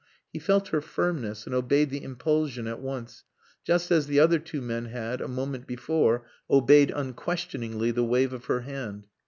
He felt her firmness and obeyed the impulsion at once, just as the other two men had, a moment before, obeyed unquestioningly the wave of her hand.